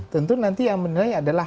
tentu nanti yang menilai adalah